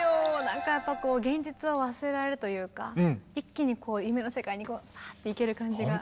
なんかやっぱ現実を忘れられるというか一気に夢の世界にファーっていける感じが。